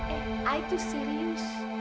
eh ayah itu serius